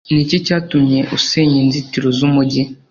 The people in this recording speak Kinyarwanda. ni iki cyatumye usenya inzitiro z’umujyi?